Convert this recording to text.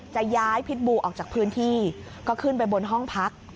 จะย้ายพิษบูออกจากพื้นที่ก็ขึ้นไปบนห้องพัก